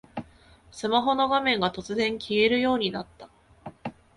スマホの画面が突然消えるようになった